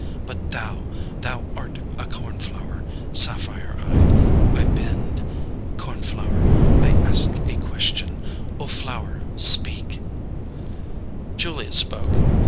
But thou! Thou art a cornflower Sapphire eyed! I bend! Cornflower, I ask a question. O flower, speak " Julia spoke.